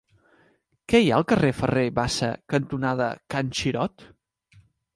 Què hi ha al carrer Ferrer Bassa cantonada Can Xirot?